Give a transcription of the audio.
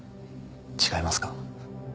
違いますか？